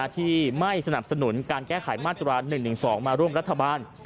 ที่ไม่สนับสนุนการแก้ไขมาตรา๑๑๒มาร่วมรัฐบาล